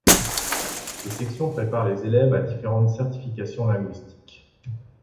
Ces sections préparent les élèves à différentes certifications linguistiques.